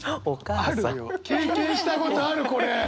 あるよ経験したことあるこれ。